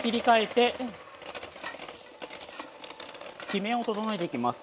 きめを整えていきます。